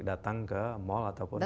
datang ke mall ataupun ke toko